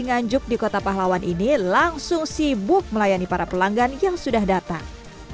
nganjuk di kota pahlawan ini langsung sibuk melayani para pelanggan yang sudah datang